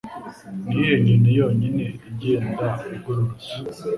Niyihe nyoni yonyine igenda igororotse